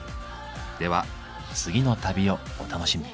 では次の旅をお楽しみに。